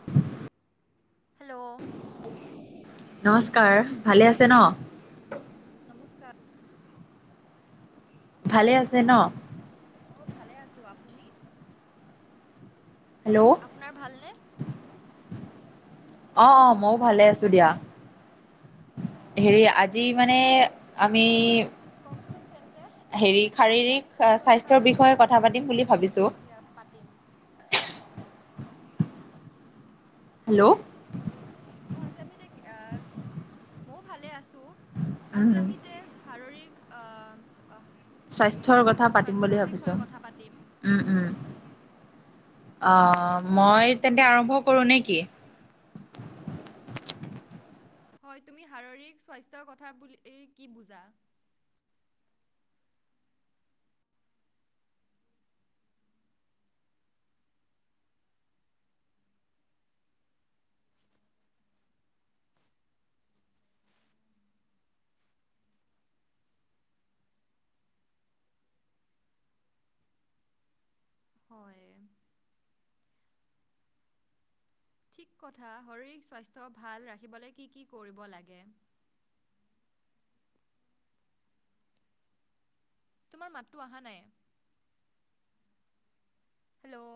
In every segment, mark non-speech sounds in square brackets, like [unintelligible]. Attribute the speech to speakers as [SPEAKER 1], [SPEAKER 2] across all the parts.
[SPEAKER 1] [inaudible]
[SPEAKER 2] Hello,
[SPEAKER 1] নমস্কাৰ ভালে আছে ন।
[SPEAKER 2] নমস্কাৰ।
[SPEAKER 1] ভালে আছে ন।
[SPEAKER 2] অঁ ভালে আছোঁ আপুনি?
[SPEAKER 1] হেল্ল'
[SPEAKER 2] আপোনাৰ ভালনে?
[SPEAKER 1] অ অ মইও ভালে আছো দিয়া।
[SPEAKER 2] অঁ
[SPEAKER 1] হেৰি আজি মানে আমি
[SPEAKER 2] কওঁকচোন তেন্তে
[SPEAKER 1] হেৰি
[SPEAKER 2] আজি
[SPEAKER 1] শাৰীৰিক
[SPEAKER 2] আমি কি
[SPEAKER 1] স্বাস্থ্যৰ
[SPEAKER 2] কথাত
[SPEAKER 1] বিষয়ে কথা পাতিম বুলি ভাবিছো
[SPEAKER 2] সেয়া পাতিম।
[SPEAKER 1] হেল্ল'
[SPEAKER 2] অ আজি আমি তাইক মইও ভালে আছোঁ আজি
[SPEAKER 1] উম
[SPEAKER 2] আমি তে শাৰীৰিক
[SPEAKER 1] স্বাস্থ্যৰ কথা পাতিম বুলি
[SPEAKER 2] স্বাস্থ্যৰ
[SPEAKER 1] ভাবিছো
[SPEAKER 2] বিষয়ে কথা পাতিম।
[SPEAKER 1] উম উম অ মই তেন্তে আৰম্ভ কৰোঁ নে কি?
[SPEAKER 2] হয় তুমি শাৰীৰিক স্বাস্থ্যৰ কথা বুলি কি বুজা। হয় ঠিক কথা শাৰীৰিক স্বাস্থ্য ভাল ৰাখিবলৈ কি কি কৰিব লাগে। তোমাৰ মাতটো অহা নাই। হেল্ল'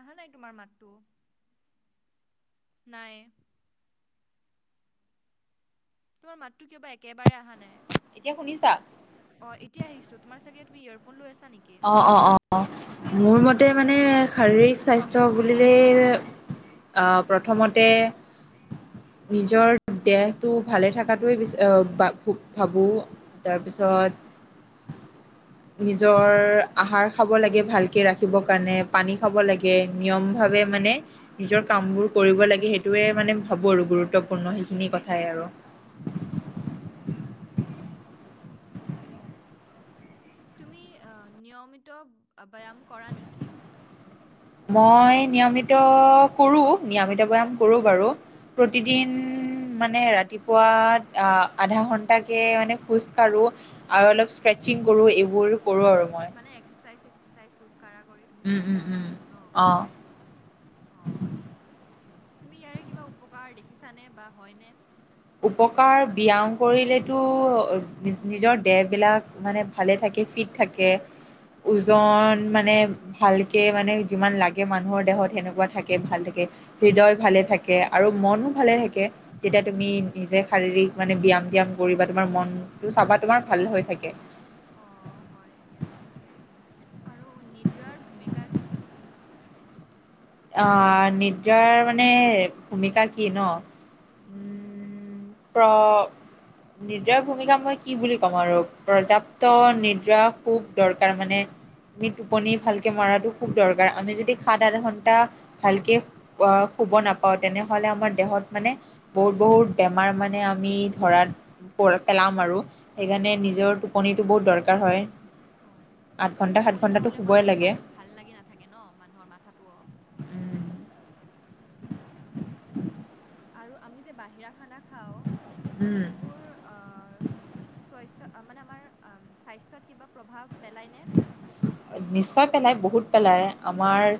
[SPEAKER 2] অহা নাই তোমাৰ মাতটো। নাই তোমাৰ মাতটো কিবা একেবাৰে অহা নাই।
[SPEAKER 1] এতিয়া শুনিছা?
[SPEAKER 2] অঁ, এতিয়া আহিছো তোমাৰচাগে তুমি ইয়াৰফোন লৈ আছা নেকি?
[SPEAKER 1] অ', অ', অ',
[SPEAKER 2] খুলি
[SPEAKER 1] মোৰ
[SPEAKER 2] দিয়াচোন
[SPEAKER 1] মতে
[SPEAKER 2] নহ'লে
[SPEAKER 1] মানে শাৰীৰিক
[SPEAKER 2] প্ৰব্লেম
[SPEAKER 1] স্বাস্থ্য
[SPEAKER 2] হৈ
[SPEAKER 1] বুলিলে
[SPEAKER 2] আছে
[SPEAKER 1] অহ',
[SPEAKER 2] অঁ
[SPEAKER 1] প্ৰথমতে নিজৰ দেহটো ভালে থকাতোৱে ভাবো। তাৰপিছত নিজৰ আহাৰ খাব লাগে ভালকে ৰাখিবৰ কাৰণে পানী খাব লাগে নিয়ম ভাৱে মানে নিজৰ কামবোৰ কৰিব লাগে সেইটোৱে মানে ভাবো আৰু গুৰুত্বপূৰ্ণ সেইখিনি কথাই আৰু।
[SPEAKER 2] অঁ। তুমি নিয়মিত ব্যায়াম কৰা নেকি?
[SPEAKER 1] মই নিয়মিত কৰো নিয়মিত ব্যায়াম কৰো বাৰু। প্ৰতিদিন মানে ৰাতিপুৱা অ আধা ঘণ্টাকে মানে খোজ কাঢ়ো। আৰু অলপ স্ক্ৰেচিং কৰো এইবোৰ কৰো আৰু এইবোৰ কৰোঁ আৰু। মই
[SPEAKER 2] মানে এক্সেচাইজ চেক্সেচাইজ খোজ কঢ়া কৰি তুমি মানে কৰা আৰু ন।
[SPEAKER 1] অঁ
[SPEAKER 2] অঁ', তুমি ইয়াৰে কিবা উপকাৰ দেখিছানে বা হয়নে?
[SPEAKER 1] উপকাৰ ব্যায়াম কৰিলেতো নিজৰ দেহবিলাক মানে ভালে থাকে ফিট থাকে ওজন মানে ভালকে মানে যিমান লাগে মানুহৰ দেহত সেনেকুৱা থাকে ভাল থাকে। হৃদয় ভালে থাকে আৰু মনো ভালে থাকে যেতিয়া তুমি নিজে শাৰীৰিক মানে ব্যায়াম চিয়াম কৰি বা তোমাৰ মনটো চাবা তোমাৰ ভাল হৈ থাকে।
[SPEAKER 2] অ', হয় দিয়া ঠিকে আৰু নিদ্ৰাৰ ভূমিকা কি?
[SPEAKER 1] অ', নিদাৰ মানে ভূমিকা কি ন?
[SPEAKER 2] হম।
[SPEAKER 1] উম প্ৰ নিদ্ৰাৰ ভূমিকা মই কি বুলি ক'ম আৰু পৰ্যাপ্ত নিদ্ৰা খুব দৰকাৰ মানে আমি টোপনি ভালকে মৰাটো খুব দৰকাৰ আমি যদি সাত আঠ ঘণ্টা ভালকে আহ' শুব নাপাওঁ তেনেহলে আমাৰ দেহত মানে বহুত-বহুত বেমাৰ মেনে আমি ধৰাত পেলাম আৰু। সেইকাৰণে
[SPEAKER 2] হয়
[SPEAKER 1] নিজৰ টোপনিটো বহুত দৰকাৰ হয়।
[SPEAKER 2] হয়,
[SPEAKER 1] আঠ ঘণ্টা
[SPEAKER 2] আৰু
[SPEAKER 1] সাত
[SPEAKER 2] টোপনি
[SPEAKER 1] ঘণ্টাটো
[SPEAKER 2] নহ'লেও
[SPEAKER 1] শুবই
[SPEAKER 2] মানুহৰ
[SPEAKER 1] লাগে
[SPEAKER 2] গাটো ভাল লাগি নাথাকে ন মানুহৰ মাথাটো অ'।
[SPEAKER 1] উম
[SPEAKER 2] আৰু আমি যে বাহিৰা খানা খাওঁ
[SPEAKER 1] উম
[SPEAKER 2] সেইবোৰ- স্বাস্থ্য মানে আমাৰ স্বাস্থ্যত কিবা প্ৰভাৱ পেলাই নে?
[SPEAKER 1] নিশ্চয় পেলাই, বহুত পেলাই। আমাৰ-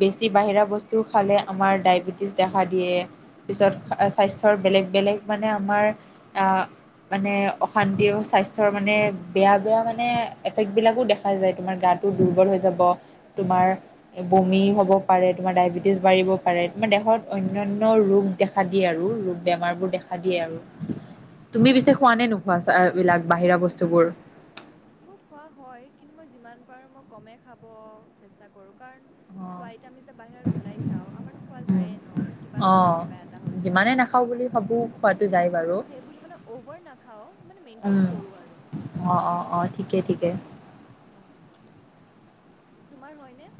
[SPEAKER 1] বেছি বাহিৰা বস্তু খালে আমাৰ ডায়বেটিছ দেখা দিয়ে। তাৰপিছত স্বাস্থ্যৰ বেলেগ-বেলেগ মানে আমাৰ আঁহ', - মানে অশান্তি আৰু স্বাস্থ্যৰ মানে বেয়া-বেয়া মানে এফেক্টবিলাকো দেখা যায়। তোমাৰ গাটো দুৰ্বল হৈ যাব, তোমাৰ- বমি হ'ব পাৰে, তোমাৰ ডায়বেটিছ বাঢ়িব পাৰে, তোমাৰ দেহত অন্যান্য ৰোগ দেখা দিয়ে আৰু। বেমাৰবোৰ দেখা দিয়ে
[SPEAKER 2] হয়
[SPEAKER 1] আৰু। তুমি
[SPEAKER 2] হয়
[SPEAKER 1] পিছে খোৱা নে নোখোৱা এই বিলাক বাহিৰা বস্তুবোৰ?
[SPEAKER 2] মোৰ খোৱা হয় কিন্তু মই যিমান পাৰোঁ মই কমেই খাব চেষ্টা কৰোঁ। কাৰণ-
[SPEAKER 1] অ
[SPEAKER 2] চোৱা এতিয়া আমি যে বাহিৰত ওলাই যাওঁ আমাৰতো খোৱা
[SPEAKER 1] উম
[SPEAKER 2] যায়েই ন' কিবা নহ'লে
[SPEAKER 1] অঁ
[SPEAKER 2] কিবা এটা হ'লেও।
[SPEAKER 1] যিমানে নাখাওঁ বুলি ভাবো
[SPEAKER 2] ত'
[SPEAKER 1] খোৱাটো যায় বাৰু
[SPEAKER 2] তো সেইবুলি মানে অ'ভাৰ নাখাওঁ মানে মেইনটেইন কৰোঁ আৰু।
[SPEAKER 1] অঁ', -অঁ', - অঁ', -ঠিকে-ঠিকে।
[SPEAKER 2] অঁহ', তোমাৰ হয় নে?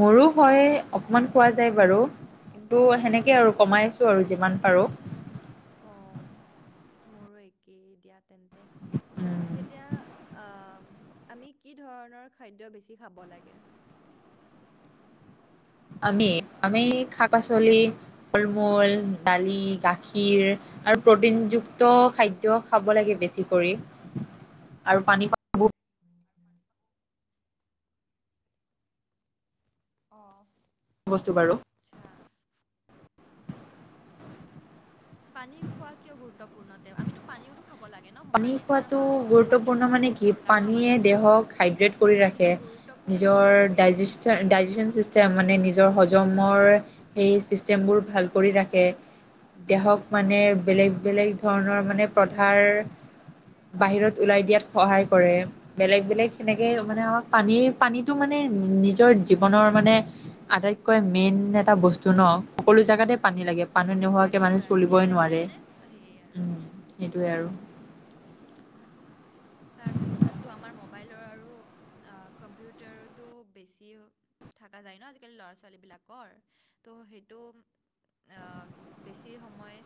[SPEAKER 1] মোৰো হয়, অকণমান খোৱা যায় বাৰু। টো সেনেকে আৰু কমাই আছো আৰু যিমান পাৰো।
[SPEAKER 2] অঁ', মোৰো একেই দিয়া। তেন্তে,
[SPEAKER 1] উম
[SPEAKER 2] তেতিয়া আঁহ' আমি কি ধৰণৰ খাদ্য বেছি খাব লাগে?
[SPEAKER 1] আমি, আমি শাক-পাচলি, ফল-মূল, ডালিম, গাখীৰ- আৰু প্ৰটিনযুক্ত খাদ্য খাব লাগে বেছি কৰি। আৰু পানী খোৱা বহুত
[SPEAKER 2] উম। অঁ।
[SPEAKER 1] বস্তু বাৰু।
[SPEAKER 2] আচ্ছা। পানী খোৱা কিয় গুৰুত্বপূৰ্ণ তে' আমিতো পানীও তো খাব লাগে। ন
[SPEAKER 1] পানী
[SPEAKER 2] সমানে কাৰণ
[SPEAKER 1] খোৱাটো
[SPEAKER 2] আমাৰ
[SPEAKER 1] গুৰুত্বপূৰ্ণ
[SPEAKER 2] পানীৰোতো
[SPEAKER 1] মানে
[SPEAKER 2] দ-
[SPEAKER 1] কি'
[SPEAKER 2] দৰকাৰ ন আমাৰ
[SPEAKER 1] পানীয়ে
[SPEAKER 2] শৰীৰৰ
[SPEAKER 1] দেহক হাইড্ৰেট
[SPEAKER 2] ত'
[SPEAKER 1] কৰি
[SPEAKER 2] সেইটো
[SPEAKER 1] ৰাখে।
[SPEAKER 2] গুৰুত্বপূৰ্ণ
[SPEAKER 1] নিজৰ
[SPEAKER 2] কেনেকে
[SPEAKER 1] ডাইজেন-ডাইজেচন চিষ্টেম মানে
[SPEAKER 2] অঁ
[SPEAKER 1] নিজৰ জমৰ সেই ছিষ্টেমবোৰ ভাল কৰি ৰাখে। দেহক মানে বেলেগ-বেলেগ ধৰণৰ মানে প্ৰথাৰ বাহিৰত ওলাই দিয়াত সহায় কৰে। বেলেগ-বেলেগ সেনেকে মানে আমাক পানীৰ-পানীটো মানে নিজৰ জীৱনৰ মানে- আটাইতকৈ মেইন এটা বস্তু ন'। সকলো জাগাতে
[SPEAKER 2] হয়
[SPEAKER 1] পানী লাগে, পানী নোহোৱাকে
[SPEAKER 2] লাগিবই
[SPEAKER 1] মানুহে
[SPEAKER 2] আৰু পিয়াহ
[SPEAKER 1] চলিবই
[SPEAKER 2] লাগিলে
[SPEAKER 1] নোৱাৰে,
[SPEAKER 2] মানে সেয়ে আৰু
[SPEAKER 1] উম'। সেইটোৱে আৰু।
[SPEAKER 2] উম, তাৰপিছত তো আমাৰ মোবাইলৰ আৰু কম্পিউটাৰতো বেছি- থকা যায় ন' আজিকালি ল'ৰা-ছোৱালীবিলাকৰ। ত' সেইটো- আঁহ', বেছি সময়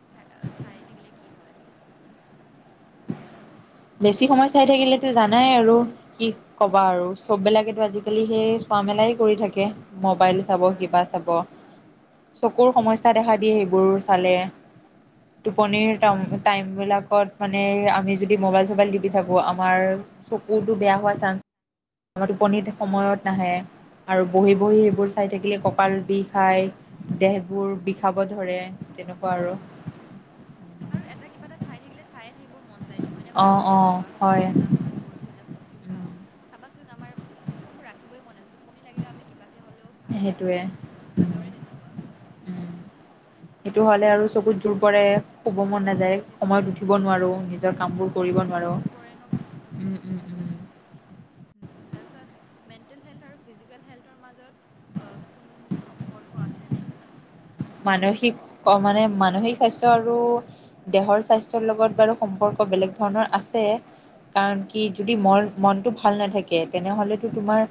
[SPEAKER 2] চাই থাকিলে কি হয়?
[SPEAKER 1] বেছি সময় চাই থাকিলেতো জানাই আৰু। কি ক'বা আৰু চববিলাকেতো আজিকালি সেই চোৱা মেলাই কৰি থাকে। মবাইল
[SPEAKER 2] হয়
[SPEAKER 1] চাব, কিবা
[SPEAKER 2] সেইকাৰণেতো
[SPEAKER 1] চাব,
[SPEAKER 2] সুধিছোঁ হা
[SPEAKER 1] চকুৰ সমস্যা দেখা দিয়ে সেইবোৰ চালে। টোপনিৰ টাইম বিলাকত মানে আমি যদি য মোবাইল চবাইল টিপি থাকো আমাৰ চকুতটো বেয়া হোৱা চান্স, আমাৰ টোপনিত সময়ত নাহে আৰু বহি বহি সেইবোৰ চাই থাকিলে কঁপাল বিষ,
[SPEAKER 2] হয়
[SPEAKER 1] খাই দেহবোৰ বিষাব ধৰে তেনেকুৱা, আৰু
[SPEAKER 2] হয় আৰু এটা কিবা এটা চাই থাকিলে চা চাইউয়ে থাকিব মন যায় নহয়নে
[SPEAKER 1] অ
[SPEAKER 2] বাৰু আমি
[SPEAKER 1] অ
[SPEAKER 2] যেতি হোৱাৰ সময়ত
[SPEAKER 1] হয়
[SPEAKER 2] যে কাম, কাম কৰি উঠি যে ফোন টো চাওঁ চাবাচোন আমাৰ, ফোনটো ৰাখিবই মন ন আয টোপনি লাগিলেও আমি কিবাকে হ'লেও চামেই আৰু
[SPEAKER 1] সেইটোৱে
[SPEAKER 2] ফোনটো নিজৰে তেনেকুৱা।
[SPEAKER 1] সেইটো হ'লে
[SPEAKER 2] উম,
[SPEAKER 1] আৰু চকুত জোৰ পৰে। শুব মন নাযায়
[SPEAKER 2] সেইটোৱে
[SPEAKER 1] সময়ত উঠিব নোৱাৰোঁ নিজৰ কামবোৰ
[SPEAKER 2] হা
[SPEAKER 1] কৰিব
[SPEAKER 2] জোৰ পৰে ন
[SPEAKER 1] নোৱাৰোঁ,
[SPEAKER 2] বহুত
[SPEAKER 1] উম
[SPEAKER 2] চকুটোত
[SPEAKER 1] উম উম। [unintelligible]
[SPEAKER 2] তাৰপিছত মেণ্টেল হেল্থ আৰু ফিজিকেল হেল্থৰ মাজত, আ কোনো সম্পৰ্ক আছেনে?
[SPEAKER 1] মানসিক অ মানে মানসিক স্বাস্থ্য আৰু, দেহৰ স্বাস্থ্যৰ লগত বাৰু সম্পৰ্ক বেলেগ ধৰণৰ আছে। কাৰণ কি যদি মন মনটো ভাল নাথাকে তেনেহ'লেতো তোমাৰ,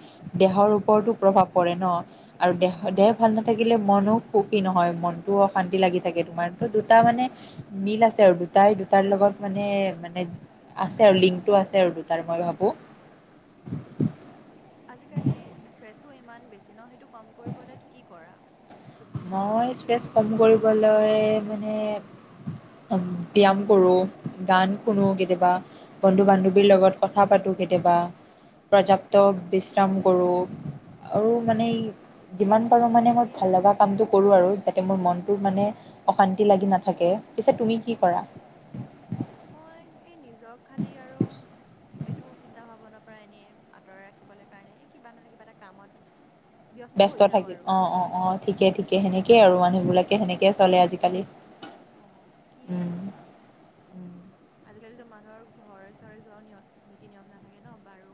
[SPEAKER 1] দেহৰ ওপৰতো প্ৰভাৱ পৰে ন। আৰু দেহ দেহ
[SPEAKER 2] হয়
[SPEAKER 1] ভাল নাথাকিলে মনো সুখী নহয় মনটো অশান্তি লাগি থাকে তোমাৰ। দুটা মানে
[SPEAKER 2] হয়
[SPEAKER 1] মিল আছে আৰু দু, দুটাই দুটাৰ লগত মানে মানে আছে আৰু লিংকটো আছে। আৰু দুটাৰ মই
[SPEAKER 2] হয়
[SPEAKER 1] ভাবো
[SPEAKER 2] হয়। আজিকালি ষ্ট্ৰেছো ইমান বেছি ন সেইটো কম কৰিবলৈ কি কৰা তুমি?
[SPEAKER 1] মই ষ্ট্ৰেছ কম কৰিবলৈ মানে, ব্যায়াম কৰো গান শুনো কেতিয়াবা। বন্ধু বান্ধৱীৰ লগত কথা পাতো কেতিয়াবা। প্ৰৰ্যাপ্ত বিশ্ৰাম কৰোঁ আৰু মানে যিমান, কৰো মানে মই
[SPEAKER 2] সেনেকেই
[SPEAKER 1] ভাল
[SPEAKER 2] আৰু
[SPEAKER 1] লগা কামটো কৰো আৰু যাতে মোৰ মনটো মানে
[SPEAKER 2] অ',
[SPEAKER 1] অশান্তি লাগি নাথাকে। পিছে তুমি কি কৰা?
[SPEAKER 2] অ', মই এই নিজক খালী আৰু, এইটো চিন্তা ভাৱনাৰ পৰা এনেই আঁতৰাই ৰাখিবলৈ কাৰণে কিবা নহলে কিবা এটা কামত,
[SPEAKER 1] ব্যস্ত
[SPEAKER 2] হৈ যাওঁ
[SPEAKER 1] থাকে
[SPEAKER 2] আৰু
[SPEAKER 1] অ অ অ ঠিকে ঠিকে সেনেকে আৰু
[SPEAKER 2] উম,
[SPEAKER 1] মানুহবিলাকে সেনেকে চলে আজিকালি।
[SPEAKER 2] অ কি
[SPEAKER 1] উম,
[SPEAKER 2] কৰিম আৰু, আজিকালিতো মানুহৰ ঘৰে চৰে যোৱাও নিয় নীতি নিয়ম নাথাকে ন বাৰু,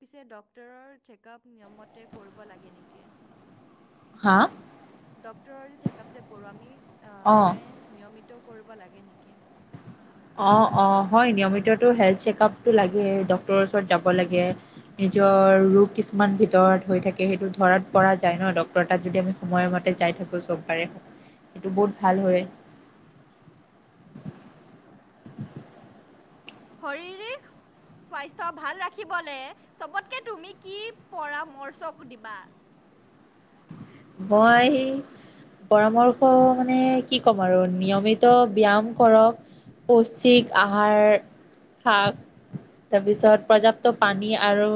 [SPEAKER 2] পিছে ডক্তৰৰ চেকআপ নিয়ম মতে কৰিব লাগে নেকি?
[SPEAKER 1] হা
[SPEAKER 2] ডক্তৰৰ যে চেকআপ যে কৰোঁ আমি
[SPEAKER 1] অঁ
[SPEAKER 2] তাৰে, নিয়মিত কৰিব লাগে নেকি।
[SPEAKER 1] অ অ হয় নিয়মিততো হেল্থ চেকআপটো লাগেই ডক্তৰৰ ওচৰত যাব লাগে। নিজৰ ৰোগ কিছুমান ভিতৰত হৈ থাকে সেইটো ধৰাত পৰা যায় ন ডক্তৰৰ তাত যদি আমি, সময়মতে যাই থাকোঁ চববাৰে সেইটো বহুত ভাল হয়।
[SPEAKER 2] শাৰীৰিক স্বাস্থ্য ভাল ৰাখিবলে চবতকৈ তুমি কি পৰামৰ্শক দিবা।
[SPEAKER 1] মই পৰামৰ্শ, শ মানে কি ক'ম আৰু নিয়মিত ব্যয়াম কৰক। পৌষ্টিক আহাৰ শাক, তাৰপিছত প্ৰৰ্যাপ্ত পানী আৰু,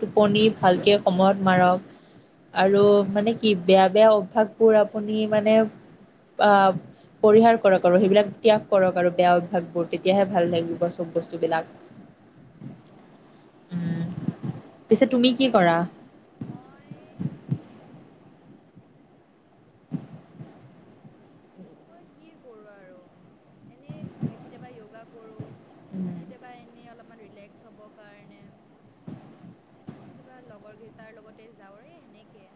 [SPEAKER 1] টোপনি ভালকৈ সময়ত মাৰক আৰু মানে, কি বেয়া বেয়া অভ্যাস বোৰ আপুনি মানে আহ। পৰিহাৰ কৰক আৰু সেইবিলাক ত্যাগ কৰক আৰু বেয়া অভ্যাস বোৰ তেতিয়াহে ভাল থাকিব সব বস্তু বিলাক। [unintelligible]
[SPEAKER 2] আচ্ছা খুব ভাল
[SPEAKER 1] পিছে তুমি কি
[SPEAKER 2] পৰামৰ্শ
[SPEAKER 1] কৰা
[SPEAKER 2] ধন্য মই মই কি কৰোঁ আৰু এনেই কেতিয়াবা য়োগা, কৰোঁ।
[SPEAKER 1] উম
[SPEAKER 2] কেতিয়াবা এনে অলপমান ৰিলেক্স হ'ব কাৰণে লগৰ কেতিয়াবা কেইটাৰ লগতে যাওঁৰে সেই এনেকে।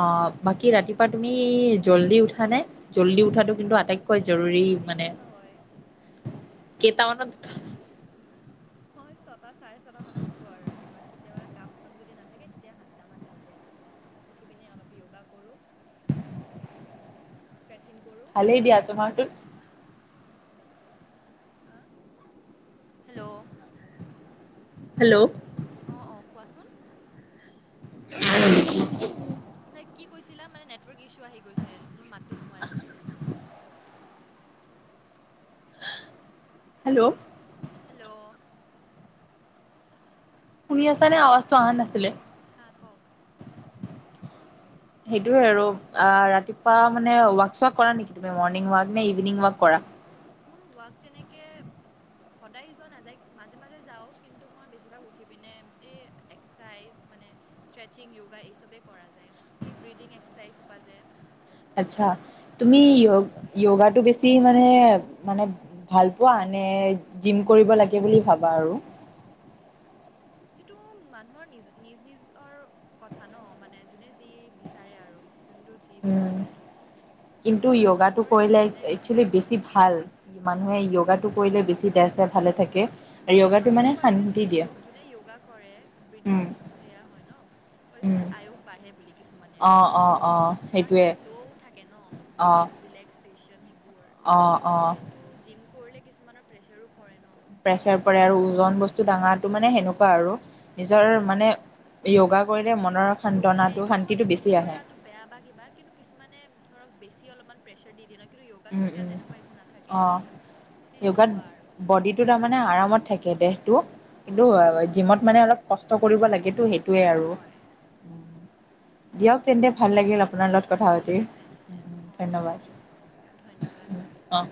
[SPEAKER 1] অ বাকী ৰাতিপুৱা তুমি জল্দি উঠা নে? জল্দি উঠাটো
[SPEAKER 2] হা
[SPEAKER 1] কিন্তু আটাইতকৈ জৰুৰী
[SPEAKER 2] জল্দিয়ে
[SPEAKER 1] মানে
[SPEAKER 2] উঠা হয়
[SPEAKER 1] কেইটামানত উঠা?
[SPEAKER 2] মই ছটা চাৰে ছটা মানত উঠো ৰাতিপুৱা কেতিয়াবা কাম চাম যদি নাথাকে তেতিয়া সাতটা মান বাজে আৰু উঠি পিনে অলপ য়োগা কৰোঁ।
[SPEAKER 1] [unintelligible]
[SPEAKER 2] ষ্ট্ৰেচিং কৰোঁ।
[SPEAKER 1] ভালেই দিয়া
[SPEAKER 2] সেয়ে
[SPEAKER 1] তোমাৰটোত।
[SPEAKER 2] হা হেল্ল'
[SPEAKER 1] হেল্ল'
[SPEAKER 2] অঁ অঁ কোৱাচোন? নাই
[SPEAKER 1] [unintelligible]
[SPEAKER 2] কি কৈছিলা মানে নেটৱৰ্ক ইছ্যু আহি গৈছিল মোৰ মাতটো নোহোৱাই গৈছিলে।
[SPEAKER 1] হেল্ল'
[SPEAKER 2] হেল্ল'-
[SPEAKER 1] শুনি
[SPEAKER 2] আপুনি
[SPEAKER 1] আছা নে
[SPEAKER 2] হাঁহি আছে
[SPEAKER 1] আৱাজটো
[SPEAKER 2] যে
[SPEAKER 1] অহা
[SPEAKER 2] কেলে
[SPEAKER 1] নাছিলে।
[SPEAKER 2] হা কওক
[SPEAKER 1] সেইটোৱে আৰু ৰাতিপুৱা মানে ৱাক চোৱাক কৰা নেকি তুমি মৰ্ণিং ৱাক নে ইভিনিং, ৱাক কৰা?
[SPEAKER 2] মোৰ ৱাক তেনেকে সদায় যোৱা নাযায় মাজে মাজে যাওঁ কিন্তু মই বেছিভাগ উঠি পিনে এই এক্সাৰচাইজ মানে। ষ্ট্ৰেচিং য়োগা এই চবেই কৰা যায় এই ব্ৰিডিং এক্সাৰচাইজ সোপা যে।
[SPEAKER 1] আচ্ছা তুমি
[SPEAKER 2] সেইবিলাক
[SPEAKER 1] য়োগ য়োগাটো, বেছি মানে মানে। ভালপোৱা নে জিম, কৰিব লাগে বুলি ভাবা আৰু।
[SPEAKER 2] সেইটো মানুহৰ নিজ নিজ নিজৰ। কথা ন মানে যোনে যি বিচাৰে আৰু যোনটো। যি ভাল
[SPEAKER 1] উম
[SPEAKER 2] পায়
[SPEAKER 1] কিন্তু
[SPEAKER 2] কাৰণ
[SPEAKER 1] য়োগাটো
[SPEAKER 2] চবৰে
[SPEAKER 1] কৰিলে
[SPEAKER 2] ইয়াত বেলেগ ন।
[SPEAKER 1] একচুৱেলি বেছি ভাল মানুহে য়োগাটো, কৰিলে বেছি দেহ চেহ ভালে থাকে। আৰু য়োগাটো
[SPEAKER 2] মানুহে
[SPEAKER 1] মানে
[SPEAKER 2] কয় যে
[SPEAKER 1] শান্তি
[SPEAKER 2] যদি
[SPEAKER 1] দিয়ে
[SPEAKER 2] যোনে য়োগা কৰে ব্ৰীডিং
[SPEAKER 1] উম
[SPEAKER 2] সেয়া হয় ন। কয় যে
[SPEAKER 1] উম
[SPEAKER 2] আয়ুস, বাঢ়ে বুলি। কিছুমানে
[SPEAKER 1] অ অ অ
[SPEAKER 2] কাৰণ সেইটো
[SPEAKER 1] সেইটোৱে
[SPEAKER 2] শ্ল' থাকে ন ব্ৰিডিং ৰিলেক্সেশ্যন সেইবোৰ।
[SPEAKER 1] অঁ অঁ।
[SPEAKER 2] তো জিম, কৰিলে কিছুমানৰ প্ৰেছাৰো পৰে ন।
[SPEAKER 1] প্ৰেচাৰ পৰে আৰু ওজন বস্তু দাঙাটো মানে সেনেকুৱা আৰু
[SPEAKER 2] অঁ
[SPEAKER 1] নিজৰ
[SPEAKER 2] তেনেকৈ
[SPEAKER 1] মানে। য়োগা, কৰিলে মনৰ
[SPEAKER 2] য়োগ এইটো
[SPEAKER 1] সান্তনাটো
[SPEAKER 2] নহয় যে
[SPEAKER 1] শান্তিটো
[SPEAKER 2] জিম
[SPEAKER 1] বেছি আহে।
[SPEAKER 2] কৰাটো বেয়া বা কিবা কিন্তু কিছুমানে ধৰক বেছি অলপমান প্ৰেছাৰ দি দিয়ে ন। কিন্তু
[SPEAKER 1] উম
[SPEAKER 2] য়োগাতটো এতিয়া
[SPEAKER 1] উম
[SPEAKER 2] তেনেকুৱা একো নাথাকে।
[SPEAKER 1] অ
[SPEAKER 2] সেই
[SPEAKER 1] য়োগাত,
[SPEAKER 2] সেনেকুৱা আৰু
[SPEAKER 1] বডিটো তাৰমানে আৰামত থাকে দেহটো। কিন্তু
[SPEAKER 2] হয়
[SPEAKER 1] জিমত মানে অলপ। কষ্ট কৰিব লাগেতো সেইটোয়ে আৰু
[SPEAKER 2] হয়
[SPEAKER 1] দিয়ক তেন্তে ভাল লাগিল আ। আপোনাৰ লগত কথা
[SPEAKER 2] অঁ
[SPEAKER 1] পাতি
[SPEAKER 2] দিয়ক তেন্তে অঁ
[SPEAKER 1] ধন্যবাদ।
[SPEAKER 2] ধন্যবাদ।
[SPEAKER 1] অঁ।